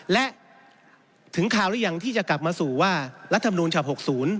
และถึงคราวหรือยังที่จะกลับมาสู่ว่ารัฐมนูลฉบับ๖๐